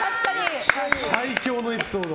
最強のエピソード。